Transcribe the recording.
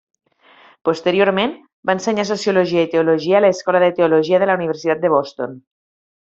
Posteriorment, va ensenyar sociologia i teologia a l'Escola de Teologia de la Universitat de Boston.